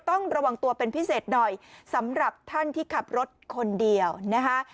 ต้องระวังตัวเป็นพิเศษหน่อยสำหรับท่านที่ขับรถคนเดียวนะคะ